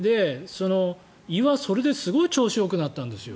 胃はそれですごい調子よくなったんですよ。